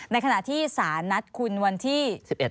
ในขณะที่สารนัดคุณวันที่๑๑